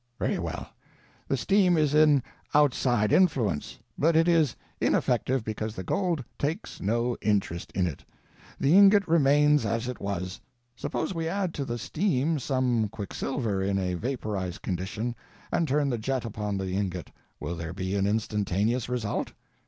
Very well. The steam is an _outside influence, _but it is ineffective because the gold _takes no interest in it. _The ingot remains as it was. Suppose we add to the steam some quicksilver in a vaporized condition, and turn the jet upon the ingot, will there be an instantaneous result?